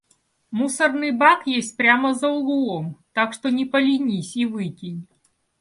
Мусорный бак есть прямо за углом, так что не поленись и выкинь.